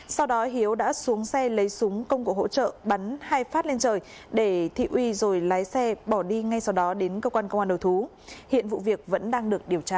sau đó hiếu đã xuống xe lấy súng công cụ hỗ trợ bắn hai phát lên trời để thị uy rồi lái xe bỏ đi ngay sau đó đến cơ quan công an đầu thú hiện vụ việc vẫn đang được điều tra